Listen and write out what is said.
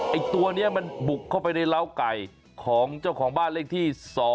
ไอ้ตัวนี้มันบุกเข้าไปในร้าวไก่ของเจ้าของบ้านเลขที่๒